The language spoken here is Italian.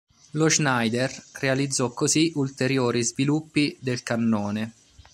La Schneider realizzò così ulteriori sviluppi del cannone.